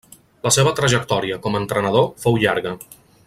La seva trajectòria com a entrenador fou llarga.